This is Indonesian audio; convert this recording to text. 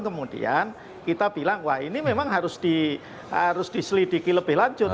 kemudian kita bilang wah ini memang harus diselidiki lebih lanjut